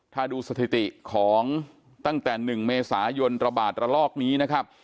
ถ้าดูสถิติของตั้งแต่๑เมษายนระบาดระลอกนี้นะครับ